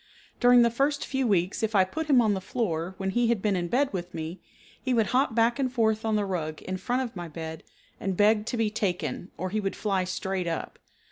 During the first few weeks if I put him on the floor when he had been in bed with me, he would hop back and forth on the rug in front of my bed, and beg to be taken, or he would fly straight up.